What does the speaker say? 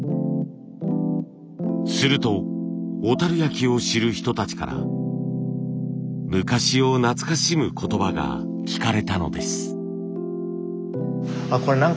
すると小焼を知る人たちから昔を懐かしむ言葉が聞かれたのです。